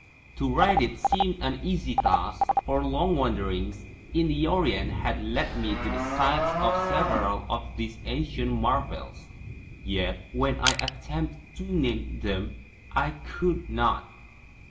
To write it seemed an easy task, for long wanderings in the Orient had led me to the sites of several of these ancient marvels, yet when I attempted to name them, I could not.